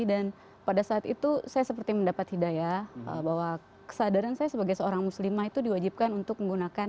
pada saat itu saya seperti mendapat hidayah bahwa kesadaran saya sebagai seorang muslimah itu diwajibkan untuk menggunakan